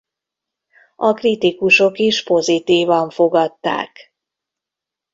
A kritikusok is pozitívan fogadták.